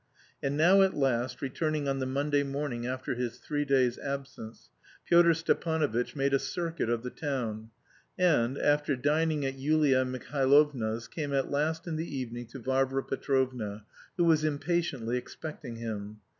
And now, at last, returning on the Monday morning after his three days' absence, Pyotr Stepanovitch made a circuit of the town, and, after dining at Yulia Mihailovna's, came at last in the evening to Varvara Petrovna, who was impatiently expecting him.